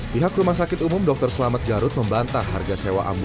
pihak rumah sakit umum dr selamat garut membantah harga sewa